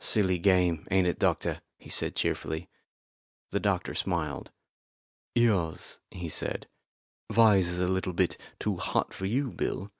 "Silly game, ain't it, doctor?" he said cheerfully. The doctor smiled. "Yes," he said, "Vyse is a bit too hot for you, Bill."